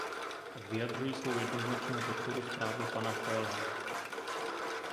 Vyjadřuji svou jednoznačnou podporu zprávě pana Coelha.